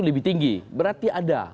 lebih tinggi berarti ada